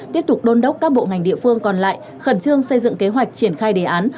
tiếp tục đôn đốc các bộ ngành địa phương còn lại khẩn trương xây dựng kế hoạch triển khai đề án